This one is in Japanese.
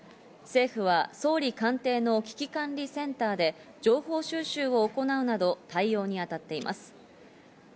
政府は総理官邸の危機管理センターで情報収集を行うなど対応に当たっています。